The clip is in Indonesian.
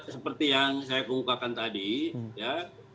seperti yang saya kemukakan tadi ya